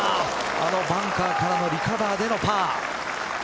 あのバンカーからのリカバーでのパー。